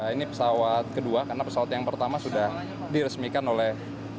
ini pesawat kedua karena pesawat yang pertama sudah diresmikan oleh